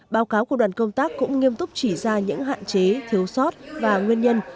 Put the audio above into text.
báo cáo của đoàn công tác cũng nghiêm túc chỉ ra những hạn chế thiếu sót và nguyên nhân